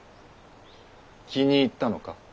気に入ったのか？